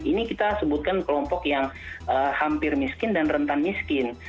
ini kita sebutkan kelompok yang hampir miskin dan rentan miskin